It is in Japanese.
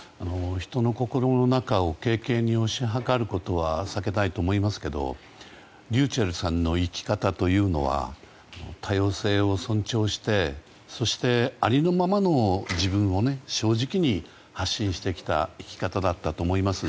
人の心の中を軽々に推し量ることは避けたいと思いますがｒｙｕｃｈｅｌｌさんの生き方というのは多様性を尊重してそしてありのままの自分を正直に発信してきた生き方だったと思います。